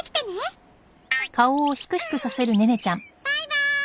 バイバーイ！